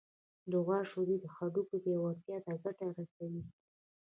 د غوا شیدې د هډوکو پیاوړتیا ته ګټه رسوي.